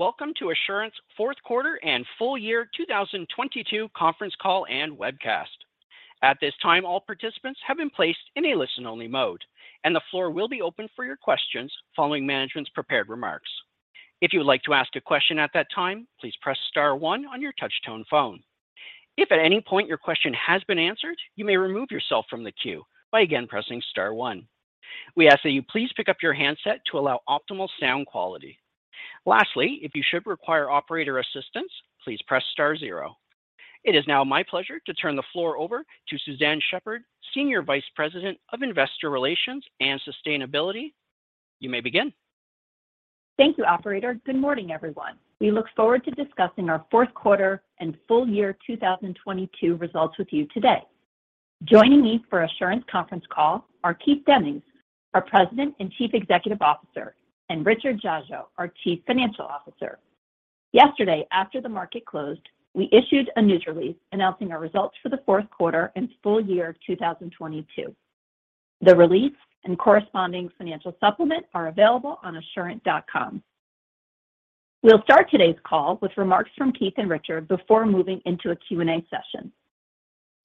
Welcome to Assurant's fourth quarter and full-year 2022 conference call and webcast. At this time, all participants have been placed in a listen-only mode, and the floor will be open for your questions following management's prepared remarks. If you would like to ask a question at that time, please press star one on your touch-tone phone. If at any point your question has been answered, you may remove yourself from the queue by again pressing star one. We ask that you please pick up your handset to allow optimal sound quality. Lastly, if you should require operator assistance, please press star zero. It is now my pleasure to turn the floor over to Suzanne Shepherd, Senior Vice President of Investor Relations and Sustainability. You may begin. Thank you, operator. Good morning, everyone. We look forward to discussing our fourth quarter and full-year 2022 results with you today. Joining me for Assurant conference call are Keith Demmings, our President and Chief Executive Officer, and Richard Dziadzio, our Chief Financial Officer. Yesterday, after the market closed, we issued a news release announcing our results for the fourth quarter and full-year of 2022. The release and corresponding financial supplement are available on assurant.com. We'll start today's call with remarks from Keith and Richard before moving into a Q&A session.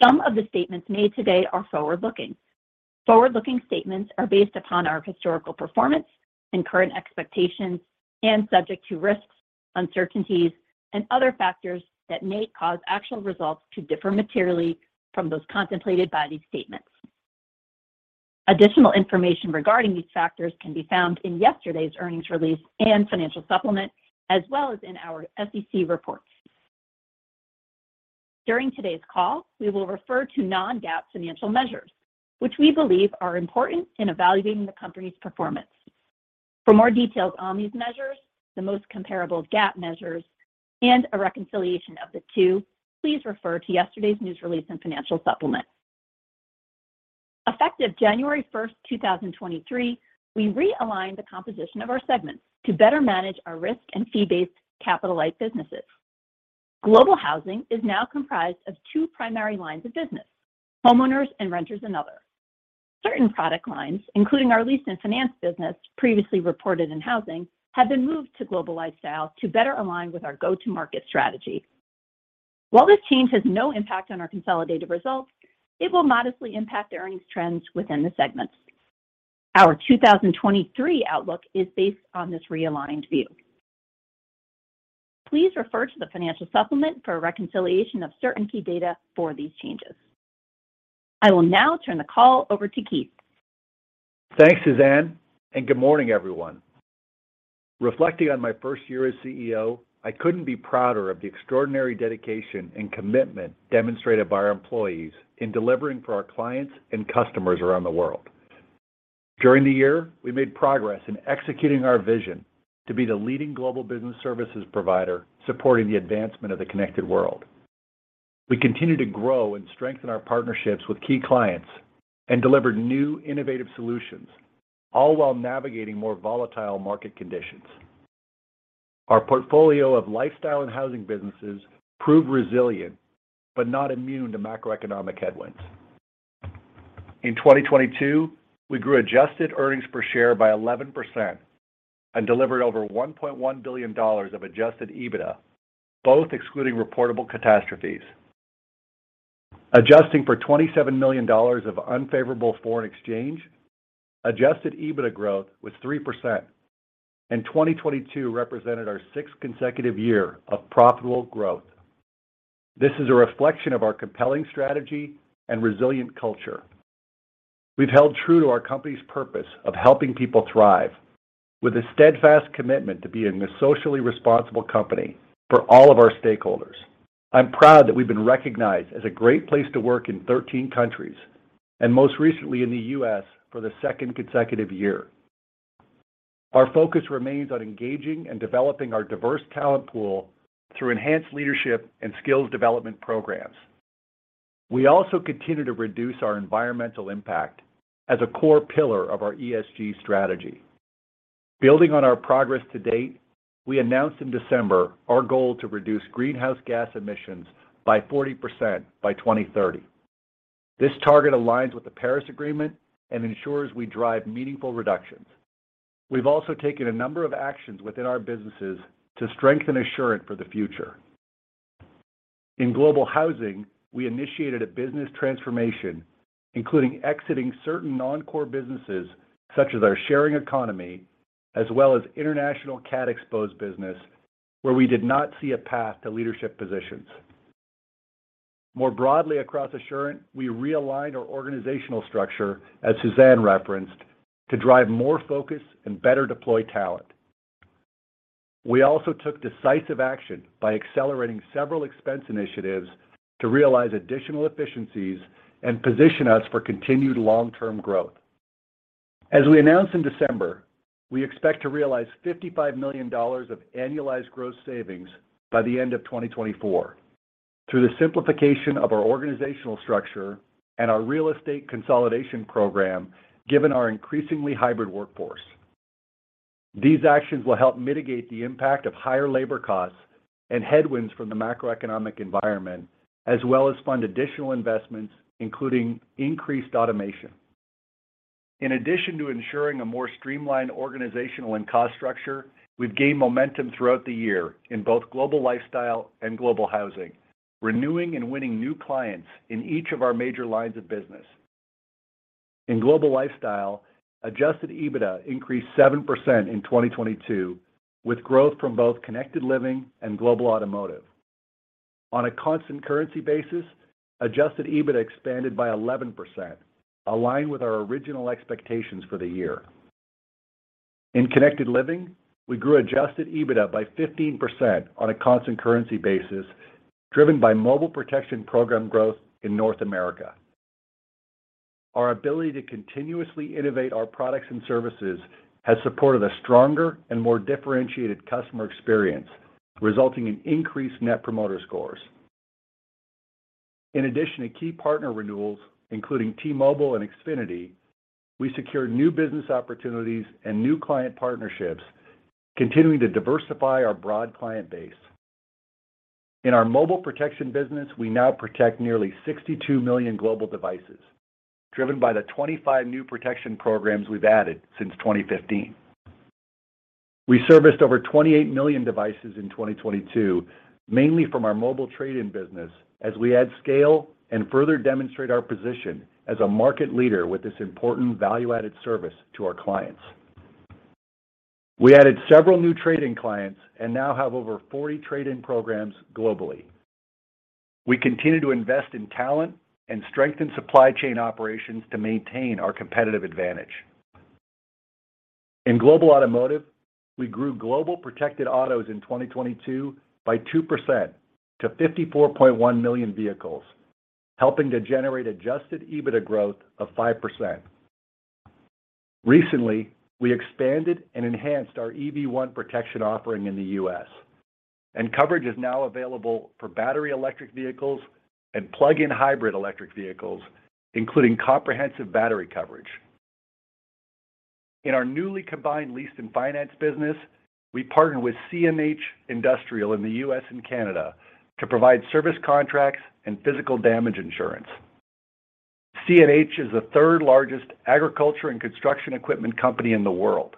Some of the statements made today are forward-looking. Forward-looking statements are based upon our historical performance and current expectations and subject to risks, uncertainties, and other factors that may cause actual results to differ materially from those contemplated by these statements. Additional information regarding these factors can be found in yesterday's earnings release and financial supplement, as well as in our SEC reports. During today's call, we will refer to non-GAAP financial measures, which we believe are important in evaluating the company's performance. For more details on these measures, the most comparable GAAP measures, and a reconciliation of the two, please refer to yesterday's news release and financial supplement. Effective January 1, 2023, we realigned the composition of our segments to better manage our risk and fee-based capitalized businesses. Global Housing is now comprised of two primary lines of business, Homeowners and Renters and Other. Certain product lines, including our lease and finance business previously reported in Global Housing, have been moved to Global Lifestyle to better align with our go-to-market strategy. While this change has no impact on our consolidated results, it will modestly impact the earnings trends within the segments. Our 2023 outlook is based on this realigned view. Please refer to the financial supplement for a reconciliation of certain key data for these changes. I will now turn the call over to Keith. Thanks, Suzanne. Good morning, everyone. Reflecting on my first year as CEO, I couldn't be prouder of the extraordinary dedication and commitment demonstrated by our employees in delivering for our clients and customers around the world. During the year, we made progress in executing our vision to be the leading global business services provider supporting the advancement of the connected world. We continued to grow and strengthen our partnerships with key clients and delivered new innovative solutions, all while navigating more volatile market conditions. Our portfolio of lifestyle and housing businesses proved resilient but not immune to macroeconomic headwinds. In 2022, we grew adjusted earnings per share by 11% and delivered over $1.1 billion of adjusted EBITDA, both excluding reportable catastrophes. Adjusting for $27 million of unfavorable foreign exchange, adjusted EBITDA growth was 3%. 2022 represented our sixth consecutive year of profitable growth. This is a reflection of our compelling strategy and resilient culture. We've held true to our company's purpose of helping people thrive with a steadfast commitment to being a socially responsible company for all of our stakeholders. I'm proud that we've been recognized as a great place to work in 13 countries and most recently in the U.S. for the second consecutive year. Our focus remains on engaging and developing our diverse talent pool through enhanced leadership and skills development programs. We also continue to reduce our environmental impact as a core pillar of our ESG strategy. Building on our progress to date, we announced in December our goal to reduce greenhouse gas emissions by 40% by 2030. This target aligns with the Paris Agreement and ensures we drive meaningful reductions. We've also taken a number of actions within our businesses to strengthen Assurant for the future. In Global Housing, we initiated a business transformation, including exiting certain non-core businesses such as our sharing economy, as well as international cat exposed business, where we did not see a path to leadership positions. More broadly across Assurant, we realigned our organizational structure, as Suzanne referenced, to drive more focus and better deploy talent. We also took decisive action by accelerating several expense initiatives to realize additional efficiencies and position us for continued long-term growth. As we announced in December, we expect to realize $55 million of annualized gross savings by the end of 2024 through the simplification of our organizational structure and our real estate consolidation program, given our increasingly hybrid workforce. These actions will help mitigate the impact of higher labor costs and headwinds from the macroeconomic environment, as well as fund additional investments, including increased automation. In addition to ensuring a more streamlined organizational and cost structure, we've gained momentum throughout the year in both Global Lifestyle and Global Housing, renewing and winning new clients in each of our major lines of business. In Global Lifestyle, adjusted EBITDA increased 7% in 2022, with growth from both Connected Living and Global Automotive. On a constant currency basis, adjusted EBITDA expanded by 11%, aligned with our original expectations for the year. In Connected Living, we grew adjusted EBITDA by 15% on a constant currency basis, driven by mobile protection program growth in North America. Our ability to continuously innovate our products and services has supported a stronger and more differentiated customer experience, resulting in increased Net Promoter Scores. In addition to key partner renewals, including T-Mobile and Xfinity, we secured new business opportunities and new client partnerships, continuing to diversify our broad client base. In our mobile protection business, we now protect nearly 62 million global devices, driven by the 25 new protection programs we've added since 2015. We serviced over 28 million devices in 2022, mainly from our mobile trade-in business as we add scale and further demonstrate our position as a market leader with this important value-added service to our clients. We added several new trade-in clients and now have over 40 trade-in programs globally. We continue to invest in talent and strengthen supply chain operations to maintain our competitive advantage. In Global Automotive, we grew global protected autos in 2022 by 2% to 54.1 million vehicles, helping to generate adjusted EBITDA growth of 5%. Recently, we expanded and enhanced our EV One Protection offering in the U.S. Coverage is now available for battery electric vehicles and plug-in hybrid electric vehicles, including comprehensive battery coverage. In our newly combined lease and finance business, we partner with CNH Industrial in the U.S. and Canada to provide service contracts and physical damage insurance. CNH is the third-largest agriculture and construction equipment company in the world.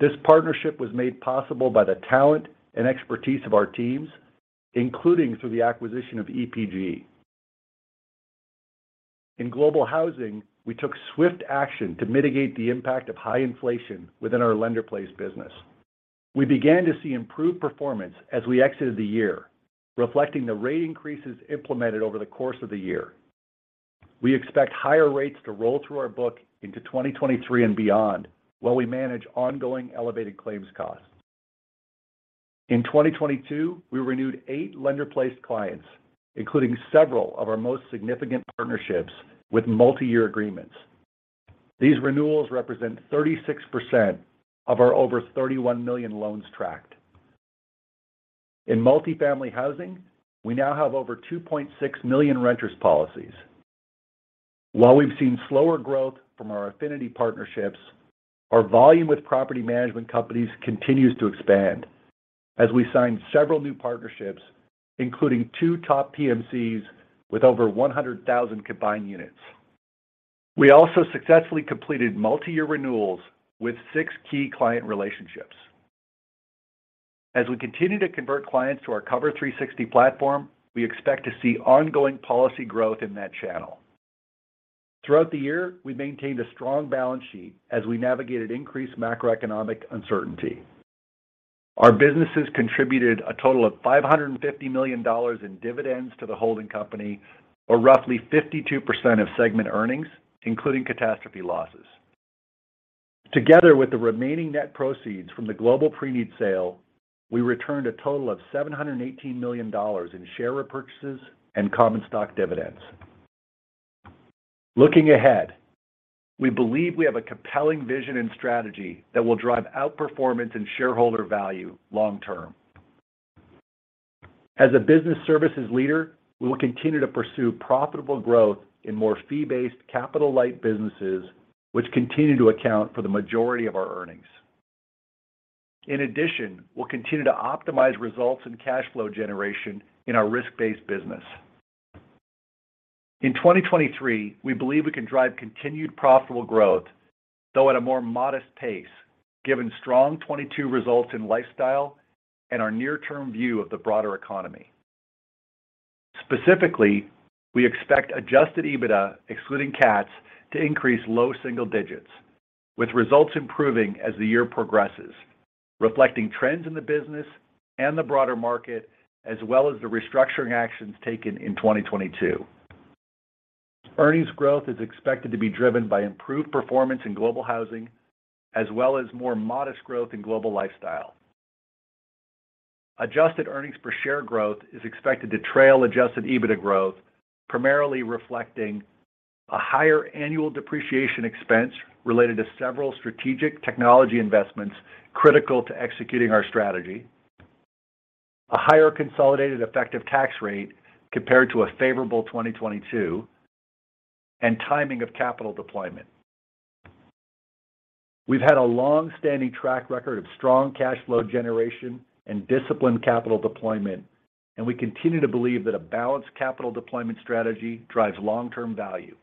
This partnership was made possible by the talent and expertise of our teams, including through the acquisition of EPG. In Global Housing, we took swift action to mitigate the impact of high inflation within our lender-placed business. We began to see improved performance as we exited the year, reflecting the rate increases implemented over the course of the year. We expect higher rates to roll through our book into 2023 and beyond while we manage ongoing elevated claims costs. In 2022, we renewed eight lender-placed clients, including several of our most significant partnerships with multi-year agreements. These renewals represent 36% of our over 31 million loans tracked. In multifamily housing, we now have over 2.6 million renters policies. While we've seen slower growth from our affinity partnerships, our volume with property management companies continues to expand as we signed several new partnerships, including two top PMCs with over 100,000 combined units. We also successfully completed multi-year renewals with six key client relationships. As we continue to convert clients to our Cover360 platform, we expect to see ongoing policy growth in that channel. Throughout the year, we maintained a strong balance sheet as we navigated increased macroeconomic uncertainty. Our businesses contributed a total of $550 million in dividends to the holding company, or roughly 52% of segment earnings, including catastrophe losses. Together with the remaining net proceeds from the Global Preneed sale, we returned a total of $718 million in share repurchases and common stock dividends. Looking ahead, we believe we have a compelling vision and strategy that will drive outperformance and shareholder value long-term. As a business services leader, we will continue to pursue profitable growth in more fee-based capital-light businesses, which continue to account for the majority of our earnings. In addition, we'll continue to optimize results and cash flow generation in our risk-based business. In 2023, we believe we can drive continued profitable growth, though at a more modest pace, given strong 2022 results in Lifestyle and our near-term view of the broader economy. Specifically, we expect adjusted EBITDA, excluding cats, to increase low single digits, with results improving as the year progresses, reflecting trends in the business and the broader market, as well as the restructuring actions taken in 2022. Earnings growth is expected to be driven by improved performance in Global Housing, as well as more modest growth in Global Lifestyle. Adjusted earnings per share growth is expected to trail adjusted EBITDA growth, primarily reflecting a higher annual depreciation expense related to several strategic technology investments critical to executing our strategy, a higher consolidated effective tax rate compared to a favorable 2022, and timing of capital deployment. We've had a long-standing track record of strong cash flow generation and disciplined capital deployment, and we continue to believe that a balanced capital deployment strategy drives long-term value.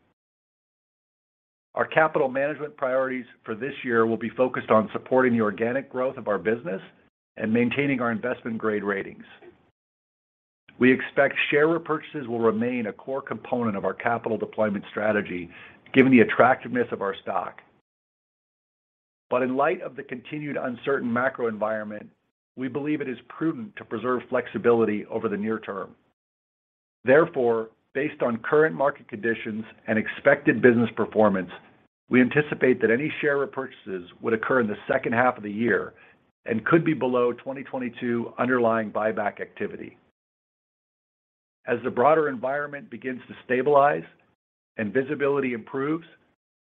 Our capital management priorities for this year will be focused on supporting the organic growth of our business and maintaining our investment-grade ratings. We expect share repurchases will remain a core component of our capital deployment strategy given the attractiveness of our stock. In light of the continued uncertain macro environment, we believe it is prudent to preserve flexibility over the near term. Therefore, based on current market conditions and expected business performance, we anticipate that any share repurchases would occur in the second half of the year and could be below 2022 underlying buyback activity. As the broader environment begins to stabilize and visibility improves,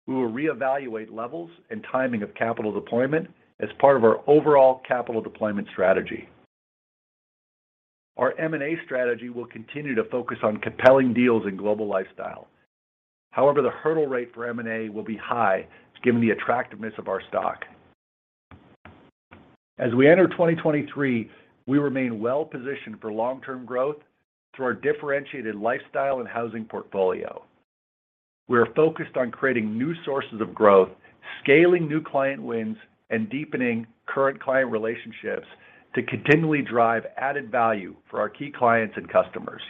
we will reevaluate levels and timing of capital deployment as part of our overall capital deployment strategy. Our M&A strategy will continue to focus on compelling deals in Global Lifestyle. However, the hurdle rate for M&A will be high given the attractiveness of our stock. As we enter 2023, we remain well positioned for long-term growth through our differentiated lifestyle and housing portfolio. We are focused on creating new sources of growth, scaling new client wins, and deepening current client relationships to continually drive added value for our key clients and customers.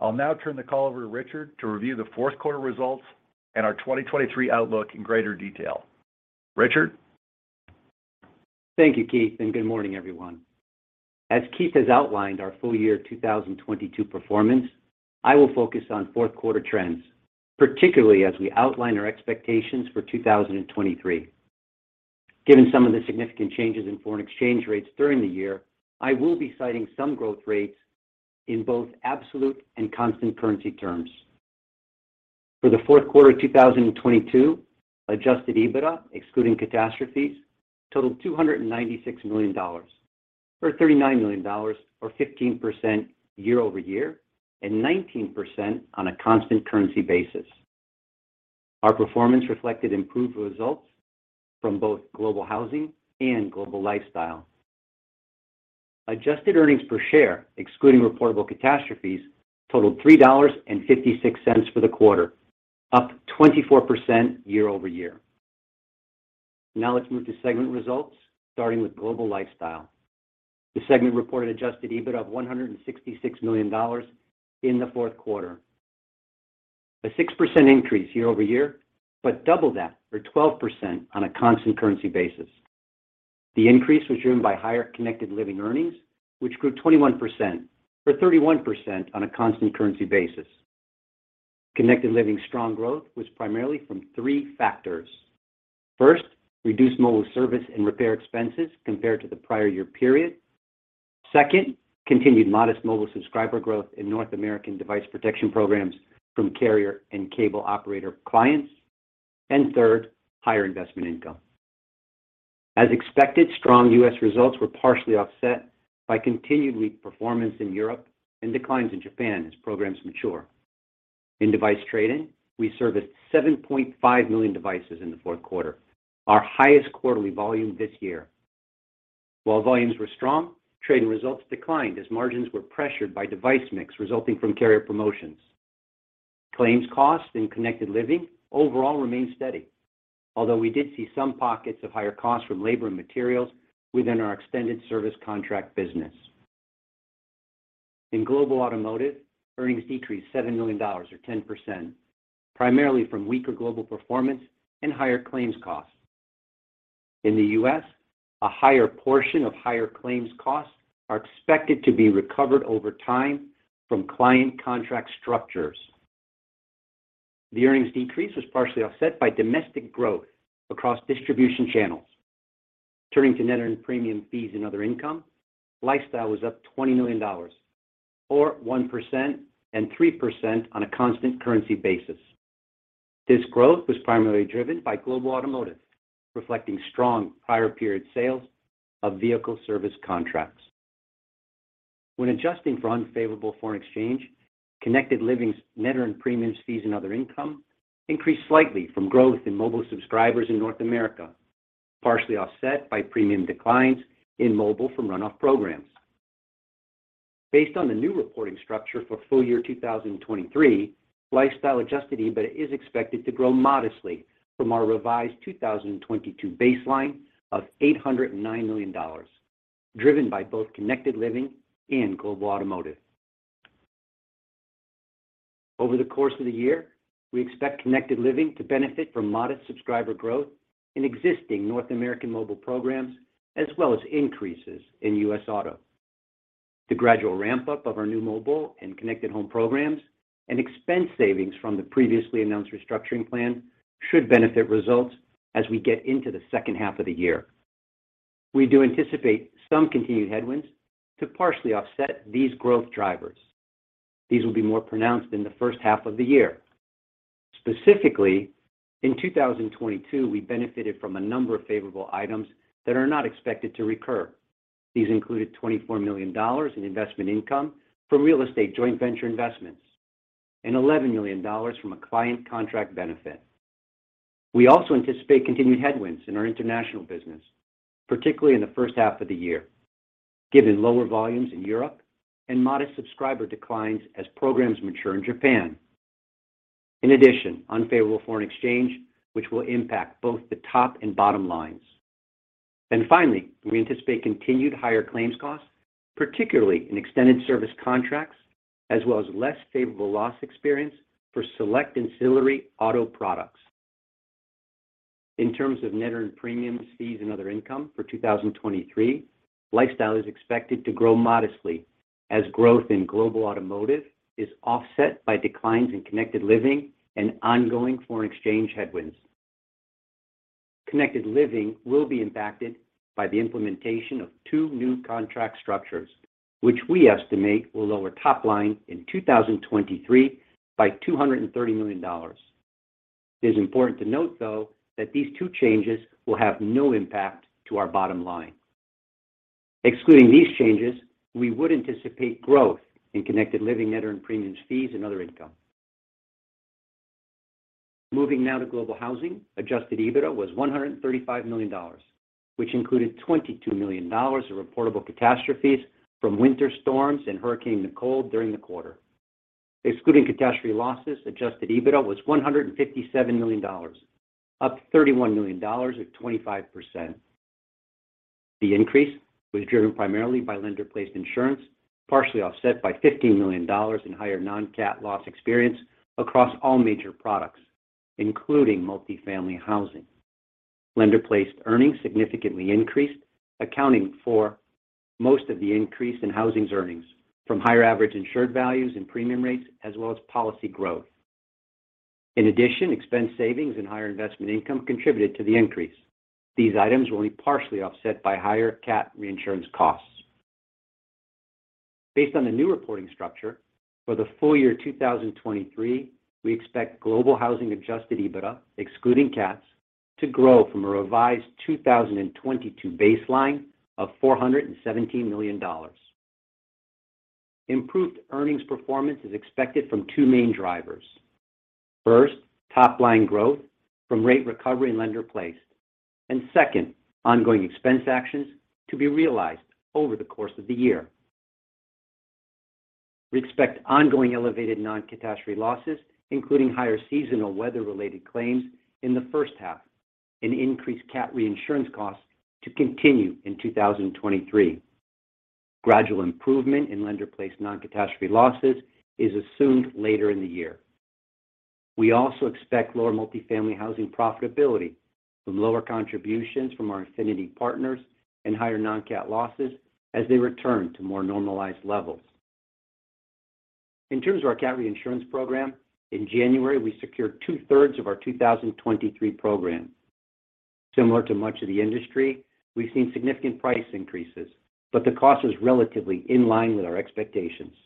I'll now turn the call over to Richard to review the fourth quarter results and our 2023 outlook in greater detail. Richard? Thank you, Keith. Good morning, everyone. As Keith has outlined our full-year 2022 performance, I will focus on fourth quarter trends, particularly as we outline our expectations for 2023. Given some of the significant changes in foreign exchange rates during the year, I will be citing some growth rates in both absolute and constant currency terms. For the fourth quarter of 2022, adjusted EBITDA, excluding catastrophes, totaled $296 million or $39 million or 15% year-over-year, and 19% on a constant currency basis. Our performance reflected improved results from both Global Housing and Global Lifestyle. Adjusted earnings per share, excluding reportable catastrophes, totaled $3.56 for the quarter, up 24% year-over-year. Let's move to segment results, starting with Global Lifestyle. The segment reported Adjusted EBIT of $166 million in the fourth quarter. A 6% increase year-over-year, double that for 12% on a constant currency basis. The increase was driven by higher Connected Living earnings, which grew 21% or 31% on a constant currency basis. Connected Living strong growth was primarily from three factors. First, reduced mobile service and repair expenses compared to the prior year period. Second, continued modest mobile subscriber growth in North American device protection programs from carrier and cable operator clients. Third, higher investment income. As expected, strong U.S. results were partially offset by continued weak performance in Europe and declines in Japan as programs mature. In device trading, we serviced 7.5 million devices in the fourth quarter, our highest quarterly volume this year. While volumes were strong, trading results declined as margins were pressured by device mix resulting from carrier promotions. Claims cost in Connected Living overall remained steady. Although we did see some pockets of higher costs from labor and materials within our extended service contract business. In Global Automotive, earnings decreased $7 million or 10%, primarily from weaker global performance and higher claims costs. In the U.S., a higher portion of higher claims costs are expected to be recovered over time from client contract structures. The earnings decrease was partially offset by domestic growth across distribution channels. Turning to net earned premiums, fees and other income, Lifestyle was up $20 million, or 1% and 3% on a constant currency basis. This growth was primarily driven by Global Automotive, reflecting strong higher period sales of vehicle service contracts. When adjusting for unfavorable foreign exchange, Connected Living's net earned premiums, fees and other income increased slightly from growth in mobile subscribers in North America, partially offset by premium declines in mobile from runoff programs. Based on the new reporting structure for full-year 2023, lifestyle adjusted EBIT is expected to grow modestly from our revised 2022 baseline of $809 million, driven by both Connected Living and Global Automotive. Over the course of the year, we expect Connected Living to benefit from modest subscriber growth in existing North American mobile programs, as well as increases in U.S. Auto. The gradual ramp-up of our new mobile and connected home programs and expense savings from the previously announced restructuring plan should benefit results as we get into the second half of the year. We do anticipate some continued headwinds to partially offset these growth drivers. These will be more pronounced in the first half of the year. Specifically, in 2022, we benefited from a number of favorable items that are not expected to recur. These included $24 million in investment income from real estate joint venture investments. $11 million from a client contract benefit. We also anticipate continued headwinds in our international business, particularly in the first half of the year, given lower volumes in Europe and modest subscriber declines as programs mature in Japan. In addition, unfavorable foreign exchange, which will impact both the top and bottom lines. Finally, we anticipate continued higher claims costs, particularly in extended service contracts, as well as less favorable loss experience for select ancillary auto products. In terms of net earned premiums, fees, and other income for 2023, Global Lifestyle is expected to grow modestly as growth in Global Automotive is offset by declines in Connected Living and ongoing foreign exchange headwinds. Connected Living will be impacted by the implementation of two new contract structures, which we estimate will lower top line in 2023 by $230 million. It is important to note, though, that these two changes will have no impact to our bottom line. Excluding these changes, we would anticipate growth in Connected Living net earned premiums, fees, and other income. Moving now to Global Housing, adjusted EBITDA was $135 million, which included $22 million of reportable catastrophes from winter storms and Hurricane Nicole during the quarter. Excluding catastrophe losses, adjusted EBITDA was $157 million, up $31 million or 25%. The increase was driven primarily by lender-placed insurance, partially offset by $15 million in higher non-cat loss experience across all major products, including multifamily housing. Lender-placed earnings significantly increased, accounting for most of the increase in housing's earnings from higher average insured values and premium rates, as well as policy growth. In addition, expense savings and higher investment income contributed to the increase. These items were only partially offset by higher cat reinsurance costs. Based on the new reporting structure, for the full-year 2023, we expect Global Housing adjusted EBITDA, excluding cats, to grow from a revised 2022 baseline of $417 million. Improved earnings performance is expected from two main drivers. Top line growth from rate recovery and lender-placed. Second, ongoing expense actions to be realized over the course of the year. We expect ongoing elevated non-catastrophe losses, including higher seasonal weather-related claims in the first half and increased cat reinsurance costs to continue in 2023. Gradual improvement in lender-placed non-catastrophe losses is assumed later in the year. We also expect lower multifamily housing profitability from lower contributions from our affinity partners and higher non-cat losses as they return to more normalized levels. In terms of our cat reinsurance program, in January, we secured 2/3 of our 2023 program. Similar to much of the industry, we've seen significant price increases, but the cost is relatively in line with our expectations.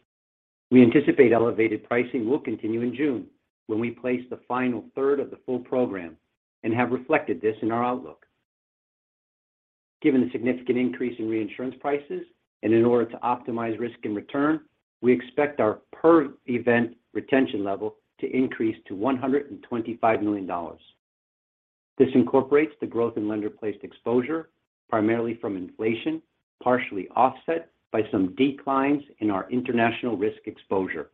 We anticipate elevated pricing will continue in June when we place the final third of the full program and have reflected this in our outlook. Given the significant increase in reinsurance prices and in order to optimize risk and return, we expect our per event retention level to increase to $125 million. This incorporates the growth in lender-placed exposure, primarily from inflation, partially offset by some declines in our international risk exposure.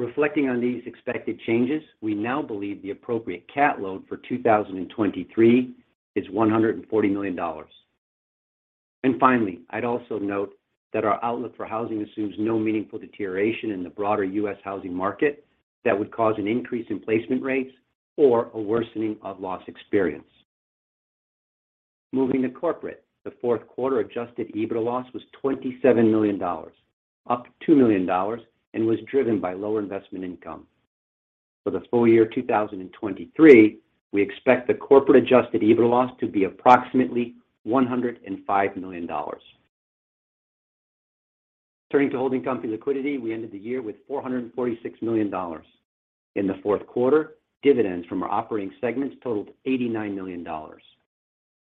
Reflecting on these expected changes, we now believe the appropriate cat load for 2023 is $140 million. Finally, I'd also note that our outlook for housing assumes no meaningful deterioration in the broader U.S. housing market that would cause an increase in placement rates or a worsening of loss experience. Moving to Corporate, the fourth quarter adjusted EBITDA loss was $27 million, up $2 million and was driven by lower investment income. For the full-year 2023, we expect the Corporate adjusted EBITDA loss to be approximately $105 million. Turning to holding company liquidity, we ended the year with $446 million. In the fourth quarter, dividends from our operating segments totaled $89 million.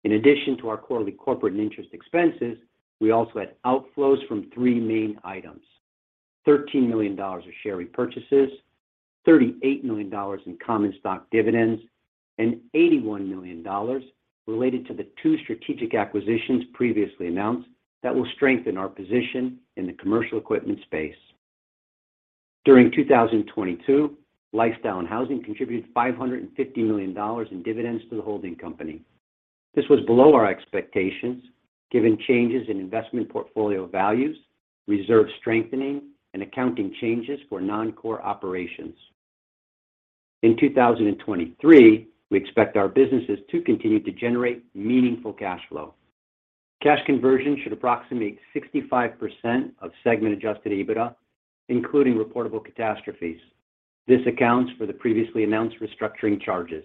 In addition to our quarterly corporate and interest expenses, we also had outflows from three main items. $13 million of share repurchases, $38 million in common stock dividends, and $81 million related to the two strategic acquisitions previously announced that will strengthen our position in the commercial equipment space. During 2022, Lifestyle and Housing contributed $550 million in dividends to the holding company. This was below our expectations, given changes in investment portfolio values, reserve strengthening, and accounting changes for non-core operations. In 2023, we expect our businesses to continue to generate meaningful cash flow. Cash conversion should approximate 65% of segment adjusted EBITDA, including reportable catastrophes. This accounts for the previously announced restructuring charges.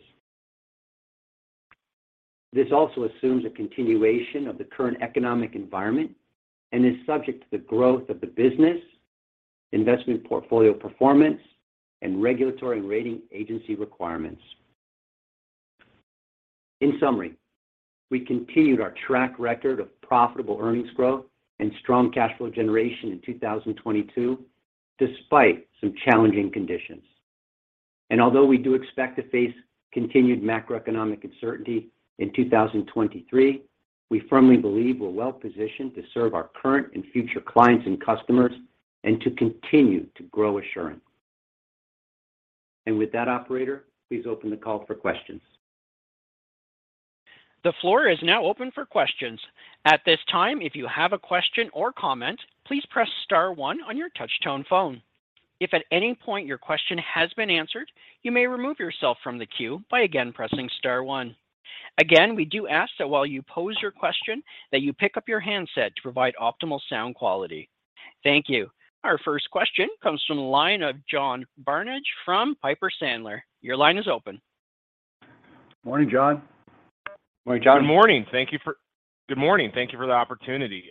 This also assumes a continuation of the current economic environment and is subject to the growth of the business, investment portfolio performance, and regulatory and rating agency requirements. In summary, we continued our track record of profitable earnings growth and strong cash flow generation in 2022 despite some challenging conditions. Although we do expect to face continued macroeconomic uncertainty in 2023, we firmly believe we're well-positioned to serve our current and future clients and customers and to continue to grow Assurant. With that, operator, please open the call for questions. The floor is now open for questions. At this time, if you have a question or comment, please press star one on your touch-tone phone. If at any point your question has been answered, you may remove yourself from the queue by again pressing star one. Again, we do ask that while you pose your question that you pick up your handset to provide optimal sound quality. Thank you. Our first question comes from the line of John Barnidge from Piper Sandler. Your line is open. Morning, John. Morning, John. Good morning. Thank you for the opportunity.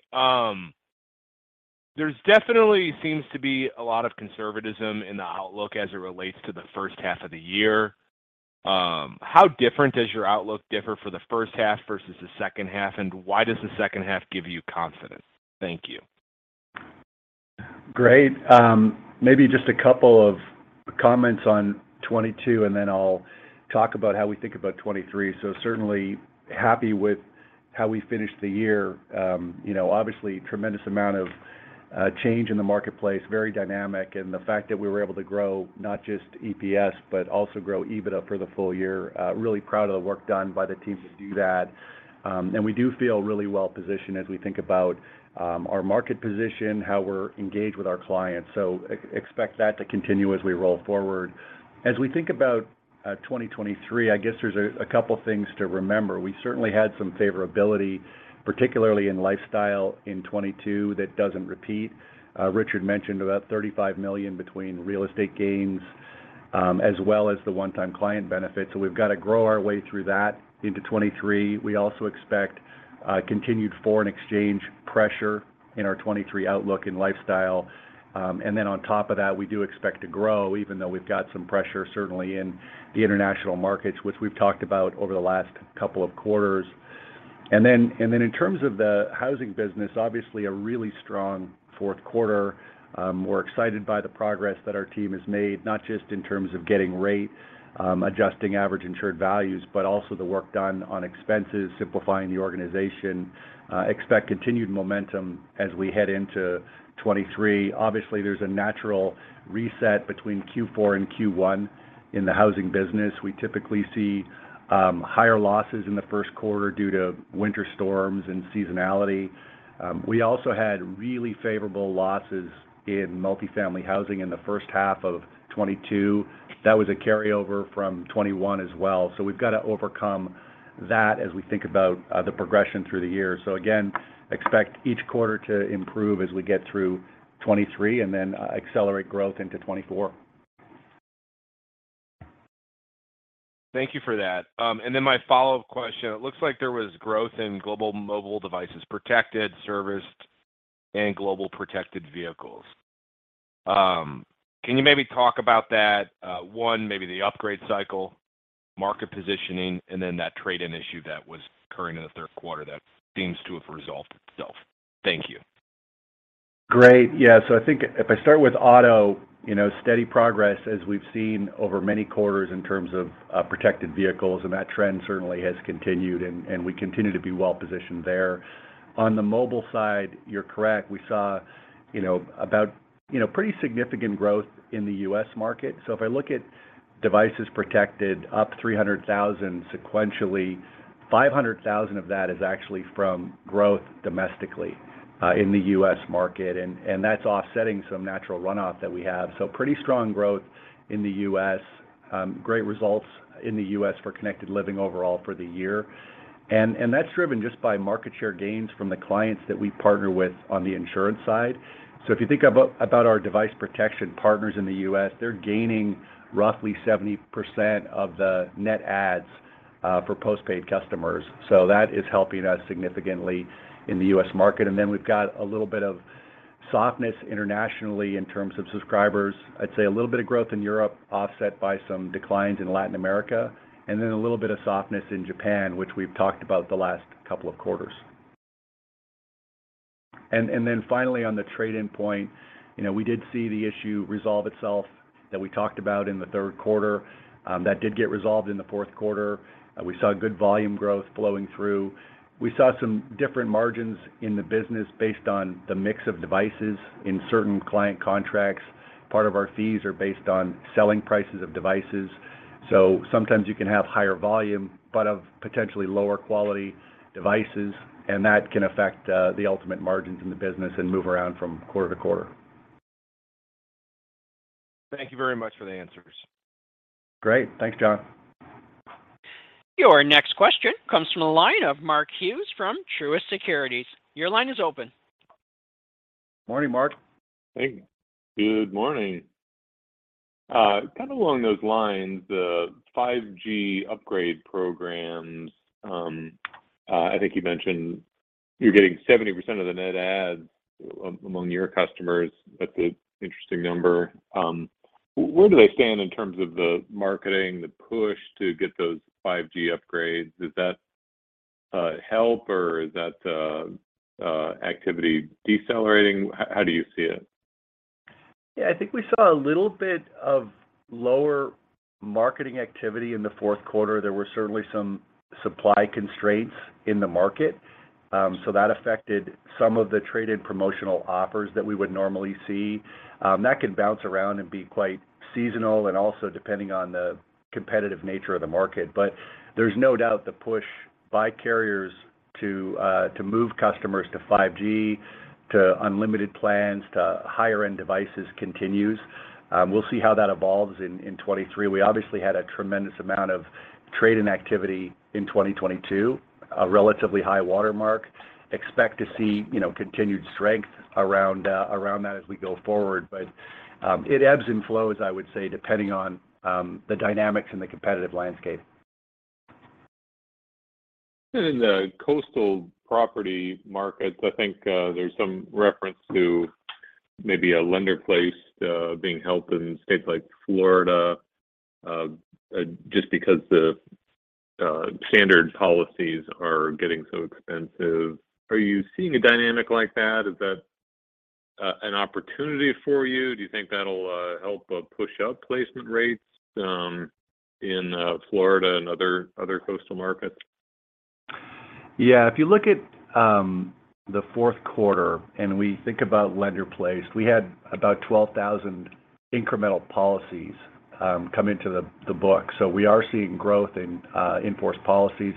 There's definitely seems to be a lot of conservatism in the outlook as it relates to the first half of the year. How different does your outlook differ for the first half versus the second half? Why does the second half give you confidence? Thank you. Great. Maybe just a couple of comments on 2022, and then I'll talk about how we think about 2023. Certainly happy with how we finished the year. You know, obviously tremendous amount of change in the marketplace, very dynamic. The fact that we were able to grow not just EPS, but also grow EBITDA for the full-year, really proud of the work done by the teams to do that. We do feel really well-positioned as we think about our market position, how we're engaged with our clients. We expect that to continue as we roll forward. As we think about 2023, I guess there's a couple things to remember. We certainly had some favorability, particularly in Global Lifestyle in 2022 that doesn't repeat. Richard mentioned about $35 million between real estate gains, as well as the one-time client benefits. We've got to grow our way through that into 2023. We also expect continued foreign exchange pressure in our 2023 outlook in Lifestyle. Then on top of that, we do expect to grow, even though we've got some pressure certainly in the international markets, which we've talked about over the last couple of quarters. Then in terms of the Housing business, obviously a really strong fourth quarter. We're excited by the progress that our team has made, not just in terms of getting rate, adjusting average insured values, but also the work done on expenses, simplifying the organization. Expect continued momentum as we head into 2023. Obviously, there's a natural reset between Q4 and Q1 in the Housing business. We typically see higher losses in the first quarter due to winter storms and seasonality. We also had really favorable losses in multi-family housing in the first half of 2022. That was a carryover from 2021 as well. We've got to overcome that as we think about the progression through the year. Again, expect each quarter to improve as we get through 2023 and then accelerate growth into 2024. Thank you for that. My follow-up question. It looks like there was growth in global mobile devices protected, serviced, and global protected vehicles. Can you maybe talk about that, one, maybe the upgrade cycle, market positioning, and then that trade-in issue that was occurring in the third quarter that seems to have resolved itself? Thank you. Great. Yeah. I think if I start with auto, you know, steady progress as we've seen over many quarters in terms of protected vehicles, and that trend certainly has continued, and we continue to be well-positioned there. On the mobile side, you're correct. We saw, you know, about, you know, pretty significant growth in the U.S. market. If I look at devices protected up 300,000 sequentially, 500,000 of that is actually from growth domestically in the U.S. market, and that's offsetting some natural runoff that we have. Pretty strong growth in the U.S. Great results in the U.S. for Connected Living overall for the year. That's driven just by market share gains from the clients that we partner with on the insurance side. If you think about our device protection partners in the U.S., they're gaining roughly 70% of the net adds for postpaid customers. That is helping us significantly in the U.S. market. Then we've got a little bit of softness internationally in terms of subscribers. I'd say a little bit of growth in Europe offset by some declines in Latin America, then a little bit of softness in Japan, which we've talked about the last couple of quarters. Then finally on the trade-in point, you know, we did see the issue resolve itself that we talked about in the third quarter. That did get resolved in the fourth quarter. We saw good volume growth flowing through. We saw some different margins in the business based on the mix of devices in certain client contracts. Part of our fees are based on selling prices of devices. Sometimes you can have higher volume, but of potentially lower quality devices, and that can affect the ultimate margins in the business and move around from quarter to quarter. Thank you very much for the answers. Great. Thanks, John. Your next question comes from the line of Mark Hughes from Truist Securities. Your line is open. Morning, Mark. Thank you. Good morning. kind of along those lines, the 5G upgrade programs, I think you mentioned. You're getting 70% of the net adds among your customers. That's an interesting number. Where do they stand in terms of the marketing, the push to get those 5G upgrades? Does that help or is that activity decelerating? How do you see it? Yeah, I think we saw a little bit of lower marketing activity in the fourth quarter. There were certainly some supply constraints in the market, so that affected some of the trade and promotional offers that we would normally see. That can bounce around and be quite seasonal and also depending on the competitive nature of the market. There's no doubt the push by carriers to move customers to 5G, to unlimited plans, to higher-end devices continues. We'll see how that evolves in 2023. We obviously had a tremendous amount of trade and activity in 2022, a relatively high watermark. Expect to see, you know, continued strength around that as we go forward. It ebbs and flows, I would say, depending on the dynamics and the competitive landscape. In the coastal property markets, I think there's some reference to maybe a lender-placed being helped in states like Florida, just because the standard policies are getting so expensive. Are you seeing a dynamic like that? Is that an opportunity for you? Do you think that'll help push out placement rates in Florida and other coastal markets? Yeah. If you look at the fourth quarter and we think about lender-placed, we had about 12,000 incremental policies come into the books. We are seeing growth in in-force policies.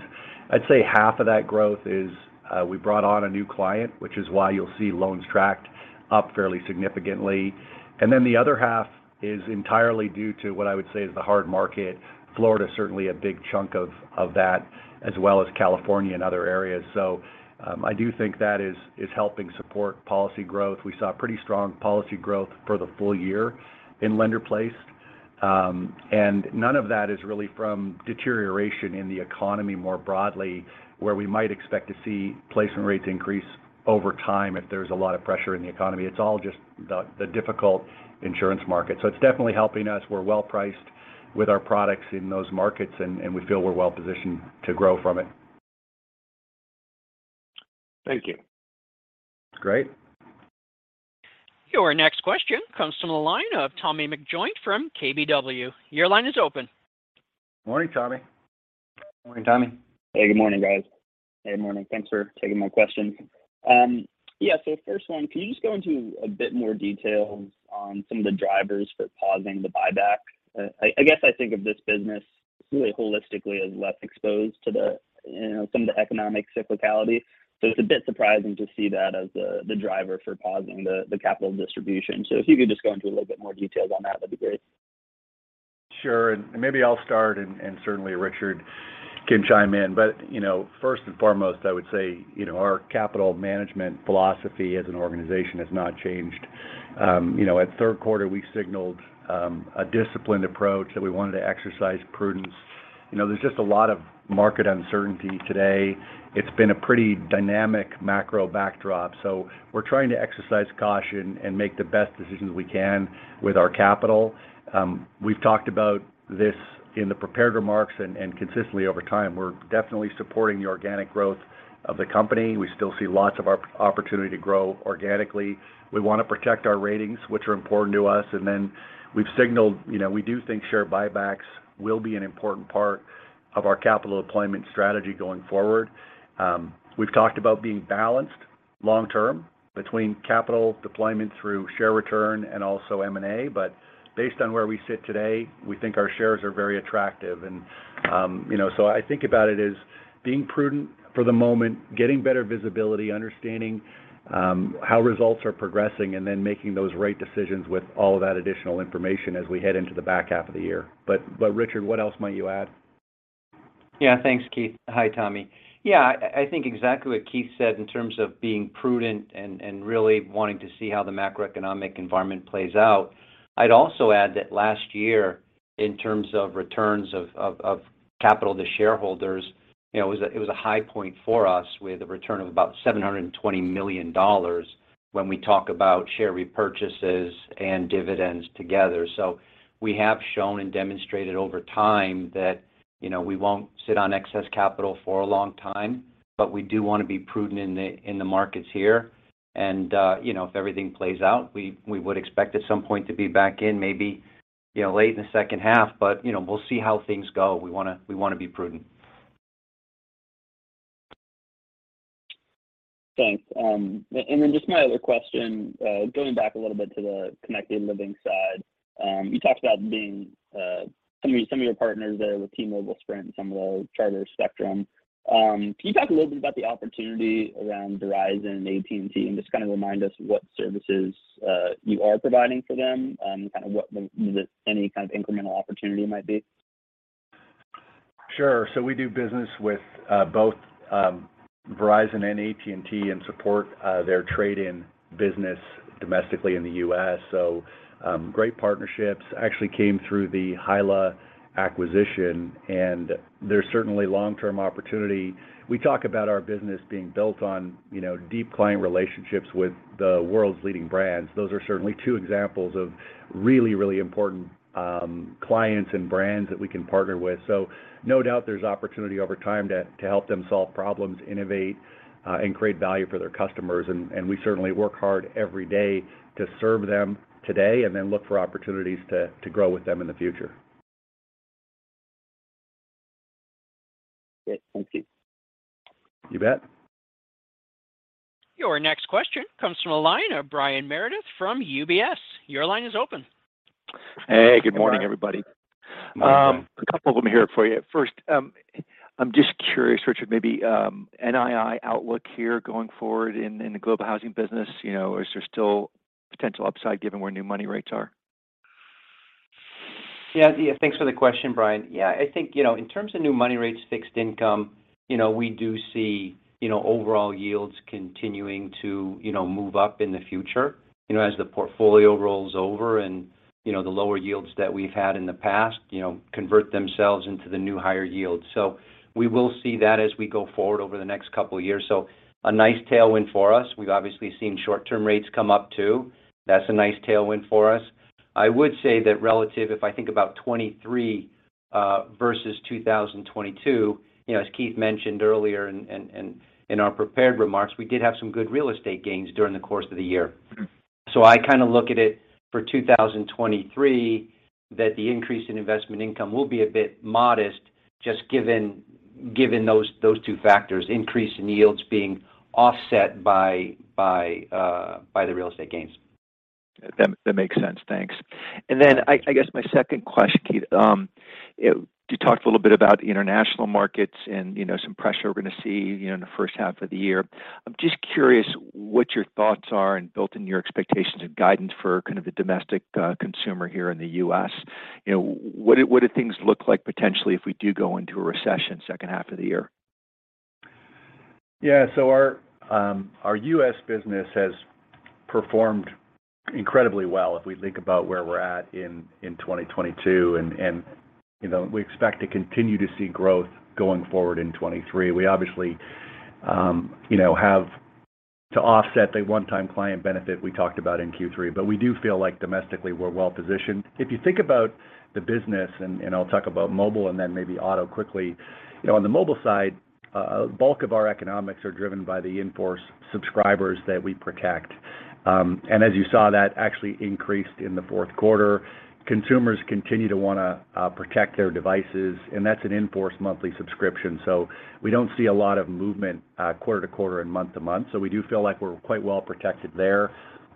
I'd say half of that growth is we brought on a new client, which is why you'll see loans tracked up fairly significantly. The other half is entirely due to what I would say is the hard market. Florida is certainly a big chunk of that, as well as California and other areas. I do think that is helping support policy growth. We saw pretty strong policy growth for the full-year in lender-placed. None of that is really from deterioration in the economy more broadly, where we might expect to see placement rates increase over time if there's a lot of pressure in the economy. It's all just the difficult insurance market. It's definitely helping us. We're well-priced with our products in those markets, and we feel we're well-positioned to grow from it. Thank you. Great. Your next question comes from the line of Tommy McJoynt from KBW. Your line is open. Morning, Tommy. Morning, Tommy. Hey, good morning, guys. Hey, morning. Thanks for taking my question. First one, can you just go into a bit more detail on some of the drivers for pausing the buyback? I guess I think of this business really holistically as less exposed to the, you know, some of the economic cyclicality. It's a bit surprising to see that as the driver for pausing the capital distribution. If you could just go into a little bit more detail on that'd be great. Sure. Maybe I'll start, and certainly Richard can chime in. You know, first and foremost, I would say, you know, our capital management philosophy as an organization has not changed. You know, at third quarter, we signaled a disciplined approach, that we wanted to exercise prudence. You know, there's just a lot of market uncertainty today. It's been a pretty dynamic macro backdrop. We're trying to exercise caution and make the best decisions we can with our capital. We've talked about this in the prepared remarks and consistently over time. We're definitely supporting the organic growth of the company. We still see lots of opportunity to grow organically. We want to protect our ratings, which are important to us. We've signaled, you know, we do think share buybacks will be an important part of our capital deployment strategy going forward. We've talked about being balanced long term between capital deployment through share return and also M&A. Based on where we sit today, we think our shares are very attractive. you know, I think about it as being prudent for the moment, getting better visibility, understanding how results are progressing, and then making those right decisions with all of that additional information as we head into the back half of the year. Richard, what else might you add? Yeah. Thanks, Keith. Hi, Tommy. I think exactly what Keith said in terms of being prudent and really wanting to see how the macroeconomic environment plays out. I'd also add that last year, in terms of returns of capital to shareholders, you know, it was a high point for us with a return of about $720 million when we talk about share repurchases and dividends together. We have shown and demonstrated over time that, you know, we won't sit on excess capital for a long time, but we do want to be prudent in the markets here. You know, if everything plays out, we would expect at some point to be back in maybe, you know, late in the second half. You know, we'll see how things go. We wanna be prudent. Thanks. Just my other question, going back a little bit to the Connected Living side. You talked about being, I mean, some of your partners there with T-Mobile, Sprint, some of the Charter Spectrum. Can you talk a little bit about the opportunity around Verizon and AT&T, and just kind of remind us what services you are providing for them and kind of what the any kind of incremental opportunity might be? Sure. We do business with both Verizon and AT&T and support their trade-in business domestically in the U.S. Great partnerships. Actually came through the HYLA acquisition, and there's certainly long-term opportunity. We talk about our business being built on, you know, deep client relationships with the world's leading brands. Those are certainly two examples of really important clients and brands that we can partner with. No doubt there's opportunity over time to help them solve problems, innovate, and create value for their customers. We certainly work hard every day to serve them today and then look for opportunities to grow with them in the future. Great. Thank you. You bet. Your next question comes from the line of Brian Meredith from UBS. Your line is open. Hey. Good morning, everybody. Morning, Brian. A couple of them here for you. First, I'm just curious, Richard, maybe, NII outlook here going forward in the Global Housing business. You know, is there still potential upside given where new money rates are? Thanks for the question, Brian. I think, you know, in terms of new money rates, fixed income, you know, we do see, you know, overall yields continuing to, you know, move up in the future, you know, as the portfolio rolls over and, you know, the lower yields that we've had in the past, you know, convert themselves into the new higher yields. We will see that as we go forward over the next couple years. A nice tailwind for us. We've obviously seen short-term rates come up, too. That's a nice tailwind for us. I would say that relative, if I think about 2023 versus 2022, you know, as Keith mentioned earlier in our prepared remarks, we did have some good real estate gains during the course of the year. I kind of look at it for 2023 that the increase in investment income will be a bit modest just given those two factors, increase in yields being offset by the real estate gains. That makes sense. Thanks. Then I guess my second question, Keith. You talked a little bit about international markets and, you know, some pressure we're gonna see, you know, in the first half of the year. I'm just curious what your thoughts are and built in your expectations and guidance for kind of the domestic, uh, consumer here in the U.S. You know, what do things look like potentially if we do go into a recession second half of the year? Yeah. So our U.S. business has performed incredibly well if we think about where we're at in 2022. You know, we expect to continue to see growth going forward in 2023. We obviously, you know, have to offset a one-time client benefit we talked about in Q3. We do feel like domestically we're well-positioned. If you think about the business, and I'll talk about mobile and then maybe auto quickly. You know, on the mobile side, bulk of our economics are driven by the in-force subscribers that we protect. And as you saw, that actually increased in the fourth quarter. Consumers continue to wanna protect their devices, and that's an in-force monthly subscription. So we don't see a lot of movement quarter-to-quarter and month-to-month. We do feel like we're quite well protected there.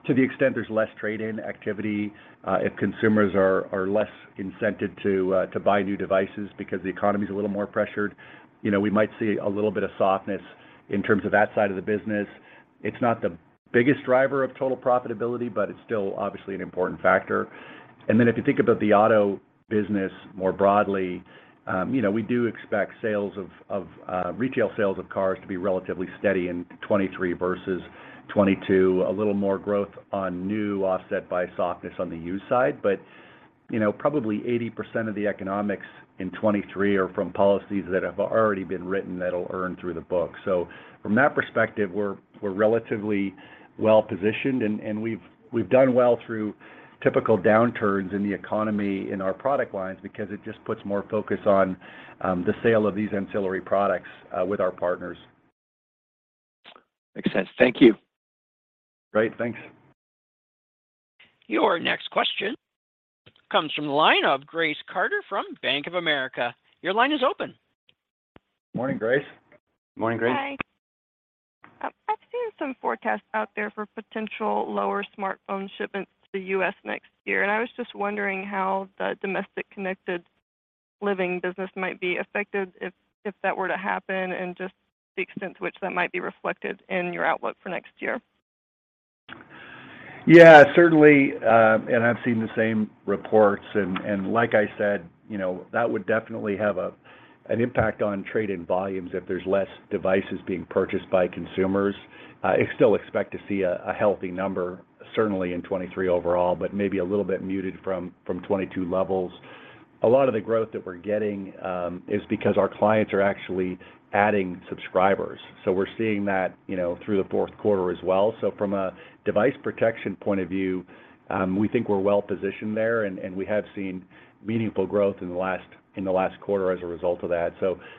To the extent there's less trade-in activity, if consumers are less incented to buy new devices because the economy's a little more pressured, you know, we might see a little bit of softness in terms of that side of the business. It's not the biggest driver of total profitability, but it's still obviously an important factor. If you think about the auto business more broadly, you know, we do expect sales of retail sales of cars to be relatively steady in 2023 versus 2022. A little more growth on new offset by softness on the used side. You know, probably 80% of the economics in 2023 are from policies that have already been written that'll earn through the book. From that perspective, we're relatively well-positioned. We've done well through typical downturns in the economy in our product lines because it just puts more focus on the sale of these ancillary products with our partners. Makes sense. Thank you. Great. Thanks. Your next question comes from the line of Grace Carter from Bank of America. Your line is open. Morning, Grace. Morning, Grace. Hi. I've seen some forecasts out there for potential lower smartphone shipments to the U.S. next year, and I was just wondering how the domestic Connected Living business might be affected if that were to happen and just the extent to which that might be reflected in your outlook for next year? Yeah. Certainly. And like I said, you know, that would definitely have an impact on trade-in volumes if there's less devices being purchased by consumers. I still expect to see a healthy number certainly in 2023 overall, but maybe a little bit muted from 2022 levels. A lot of the growth that we're getting is because our clients are actually adding subscribers. We're seeing that, you know, through the fourth quarter as well. From a device protection point of view, we think we're well positioned there. And we have seen meaningful growth in the last quarter as a result of that.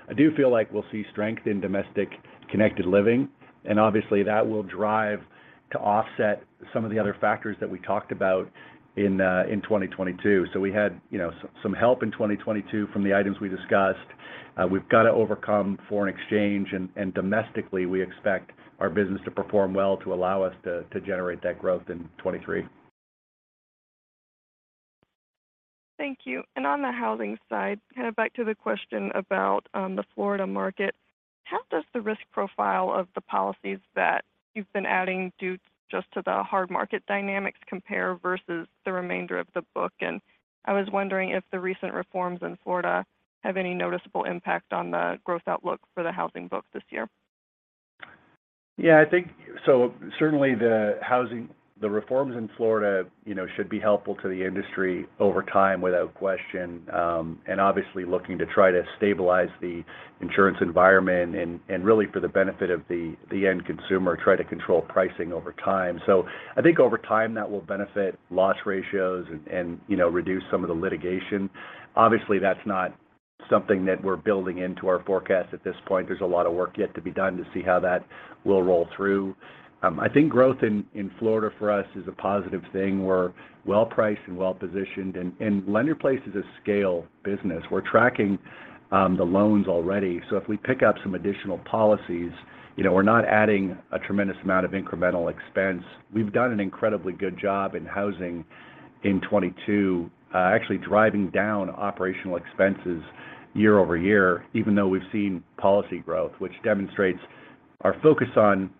I do feel like we'll see strength in domestic Connected Living, and obviously that will drive to offset some of the other factors that we talked about in 2022. We had, you know, some help in 2022 from the items we discussed. We've got to overcome foreign exchange. Domestically, we expect our business to perform well to allow us to generate that growth in 2023. Thank you. On the housing side, kind of back to the question about the Florida market. How does the risk profile of the policies that you've been adding due just to the hard market dynamics compare versus the remainder of the book? I was wondering if the recent reforms in Florida have any noticeable impact on the growth outlook for the housing book this year? I think certainly the housing, the reforms in Florida, you know, should be helpful to the industry over time without question. and obviously looking to try to stabilize the insurance environment and really for the benefit of the end consumer, try to control pricing over time. I think over time that will benefit loss ratios and, you know, reduce some of the litigation. Obviously, that's not something that we're building into our forecast at this point. There's a lot of work yet to be done to see how that will roll through. I think growth in Florida for us is a positive thing. We're well-priced and well-positioned. and lender-placed is a scale business. We're tracking the loans already. If we pick up some additional policies, you know, we're not adding a tremendous amount of incremental expense. We've done an incredibly good job in Housing in 2022, actually driving down operational expenses year-over-year, even though we've seen policy growth, which demonstrates our focus on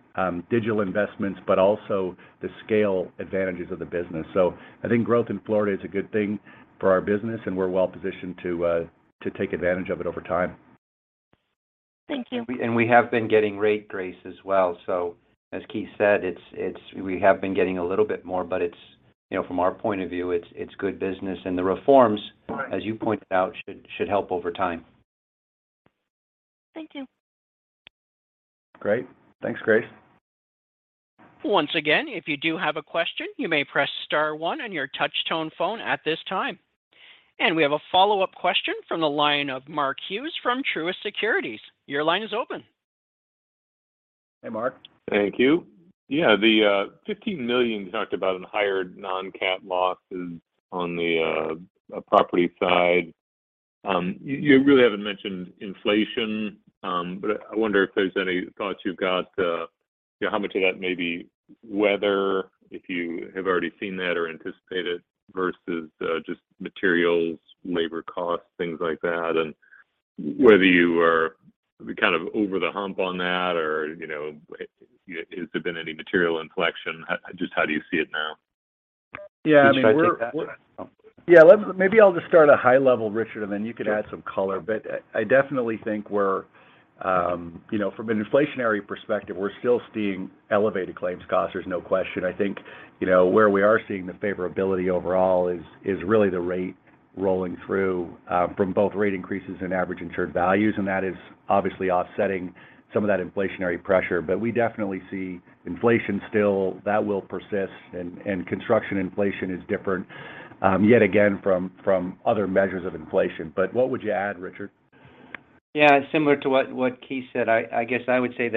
digital investments, but also the scale advantages of the business. I think growth in Florida is a good thing for our business, and we're well-positioned to take advantage of it over time. Thank you. We have been getting rate grace as well. As Keith said, we have been getting a little bit more, but it's, you know, from our point of view, it's good business. The reforms- Right As you pointed out, should help over time. Thank you. Great. Thanks, Grace. Once again, if you do have a question, you may press star one on your touch tone phone at this time. We have a follow-up question from the line of Mark Hughes from Truist Securities. Your line is open. Hey, Mark. Thank you. Yeah, the $15 million you talked about in higher non-cat losses on the property side, you really haven't mentioned inflation. I wonder if there's any thoughts you've got, you know, how much of that may be weather, if you have already seen that or anticipate it, versus just materials, labor costs, things like that, and whether you are kind of over the hump on that or, you know, has there been any material inflection? Just how do you see it now? Yeah, I mean. Should I take that one? Yeah. Maybe I'll just start a high level, Richard, and then you could add some color. I definitely think we're, you know, from an inflationary perspective, we're still seeing elevated claims costs, there's no question. I think, you know, where we are seeing the favorability overall is really the rate rolling through, from both rate increases in average insured values, and that is obviously offsetting some of that inflationary pressure. We definitely see inflation still, that will persist, and construction inflation is different, yet again from other measures of inflation. What would you add, Richard? Yeah, similar to what Keith said. I guess most of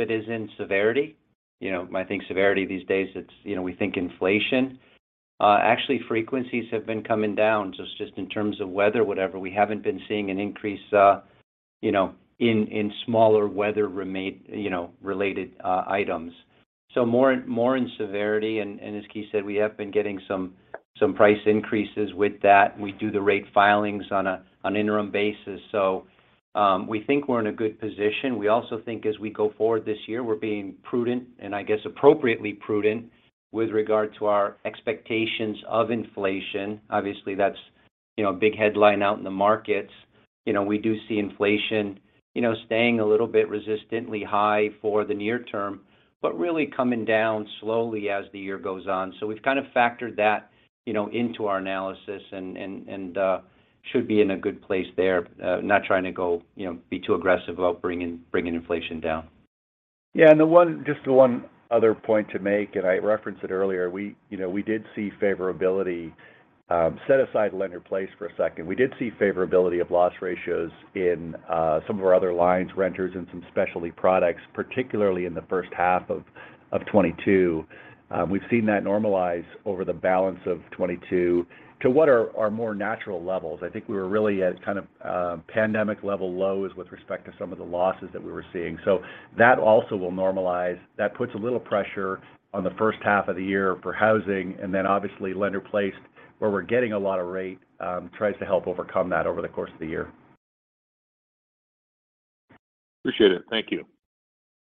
it is in severity. You know, I think severity these days, it's, you know, we think inflation. Actually frequencies have been coming down. It's just in terms of weather, whatever. We haven't been seeing an increase, you know, in smaller weather related items. More in severity. As Keith said, we have been getting some price increases with that. We do the rate filings on an interim basis. We think we're in a good position. We also think as we go forward this year, we're being prudent, and I guess appropriately prudent with regard to our expectations of inflation. Obviously, that's, you know, a big headline out in the markets. You know, we do see inflation, you know, staying a little bit resistantly high for the near term, but really coming down slowly as the year goes on. We've kind of factored that, you know, into our analysis and should be in a good place there. Not trying to go, you know, be too aggressive about bringing inflation down. Yeah. The one other point to make, and I referenced it earlier, we, you know, we did see favorability. Set aside lender-placed for a second. We did see favorability of loss ratios in some of our other lines, renters and some specialty products, particularly in the first half of 2022. We've seen that normalize over the balance of 2022 to what are more natural levels. I think we were really at kind of pandemic level lows with respect to some of the losses that we were seeing. That also will normalize. That puts a little pressure on the first half of the year for housing, and then obviously lender-placed, where we're getting a lot of rate, tries to help overcome that over the course of the year. Appreciate it. Thank you.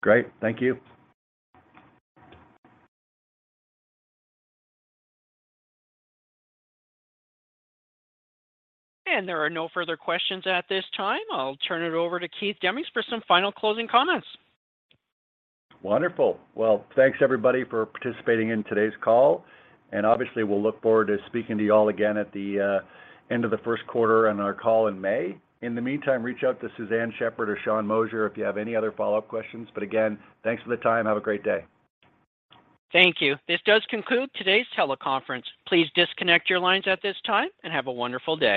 Great. Thank you. There are no further questions at this time. I'll turn it over to Keith Demmings for some final closing comments. Wonderful. Well, thanks everybody for participating in today's call, obviously we'll look forward to speaking to you all again at the end of the first quarter on our call in May. In the meantime, reach out to Suzanne Shepherd or Sean Moshier if you have any other follow-up questions. Again, thanks for the time. Have a great day. Thank you. This does conclude today's teleconference. Please disconnect your lines at this time, and have a wonderful day.